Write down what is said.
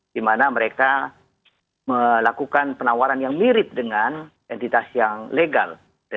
dimana mereka melakukan penawaran yang mirip dengan identitas yang legal